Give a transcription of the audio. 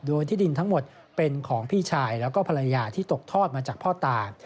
โดยที่ดินทั้งหมดเป็นของพี่ชายแล้วก็ภรรยาที่ตกทอดมาจากพ่อตา